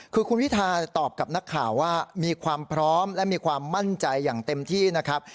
คือคุณพิทาตอบกับนักข่าวว่ามีความพร้อมและมีความมั่นใจอย่างเต็มที่นะครับ